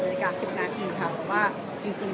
เพราะว่าจริงแล้วก่อนหน้านี้ก็มีการเตรียม